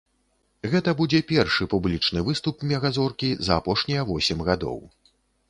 Гэта будзе першы публічны выступ мега-зоркі за апошнія восем гадоў.